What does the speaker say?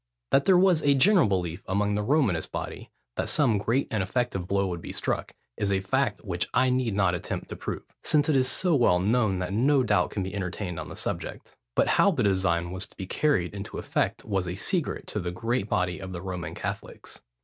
That there was a general belief among the Romanist body, that some great and effective blow would be struck, is a fact which I need not attempt to prove, since it is so well known, that no doubt can be entertained on the subject: but how the design was to be carried into effect was a secret to the great body of the Roman Catholics.